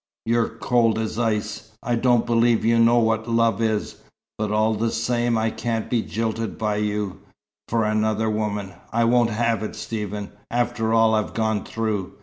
You're cold as ice. I don't believe you know what love is. But all the same I can't be jilted by you for another woman. I won't have it, Stephen after all I've gone through.